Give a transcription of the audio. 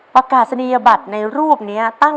ประกาศณียบัตรในรูปเนี้ย